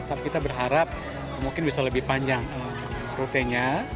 tapi kita berharap mungkin bisa lebih panjang rutenya